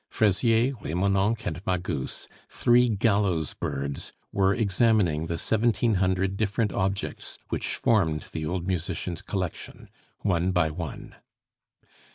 Fraisier, Remonencq, and Magus, three gallows birds, were examining the seventeen hundred different objects which formed the old musician's collection one by one.